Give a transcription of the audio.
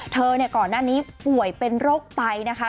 ก่อนหน้านี้ป่วยเป็นโรคไตนะคะ